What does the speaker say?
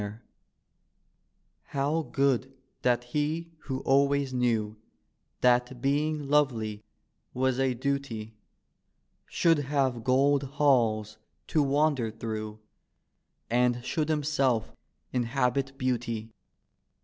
D,gt,, erihyGOOgle Martin How good that he who always knew That being lovely was a duty, Should have gold halls to wander through And should himself inhabit beauty.